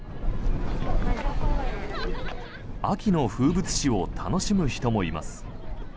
秋の風物詩を楽しむ人もいます。